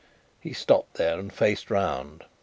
He stopped there, and faced round.